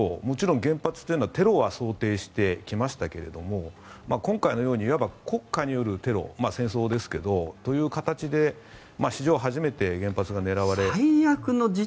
もちろん原発というのはテロは想定してきましたけども今回のようにいわば国家によるテロ戦争ですけれどという形で史上初めて原発が狙われ。